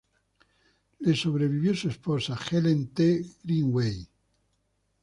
Le sobrevivió su esposa, Helen T. Greenway.